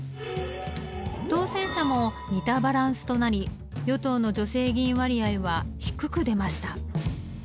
当選者も似たバランスとなり与党の女性議員割合は低く出ました。